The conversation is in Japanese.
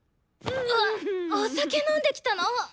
うわっお酒飲んできたの！？